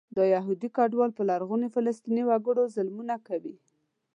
دا یهودي کډوال په لرغوني فلسطیني وګړو ظلمونه کوي.